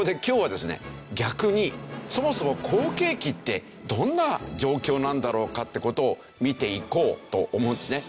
逆にそもそも好景気ってどんな状況なんだろうかって事を見ていこうと思うんですね。